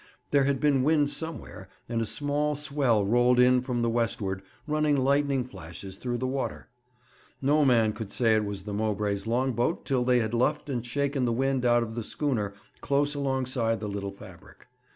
There had been wind somewhere, and a small swell rolled in from the westward, running lightning flashes through the water. No man could say it was the Mowbray's long boat till they had luffed and shaken the wind out of the schooner close alongside the little fabric.